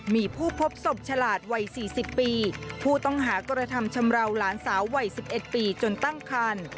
มีผู้พบศพฉลาดวัย๔๐ปีผู้ต้องหากระทำชำราวหลานสาววัย๑๑ปีจนตั้งคัน